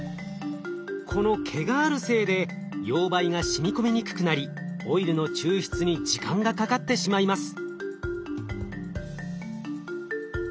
この毛があるせいで溶媒がしみ込みにくくなりオイルの抽出に時間がかかってしまいます。